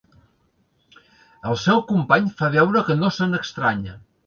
El seu company fa veure que no se n'estranya.